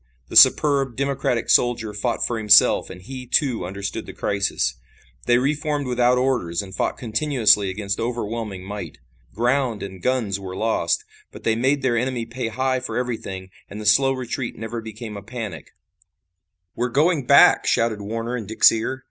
The superb, democratic soldier fought for himself and he, too, understood the crisis. They re formed without orders and fought continuously against overwhelming might. Ground and guns were lost, but they made their enemy pay high for everything, and the slow retreat never became a panic. "We're going back," shouted Warner in Dick's ear.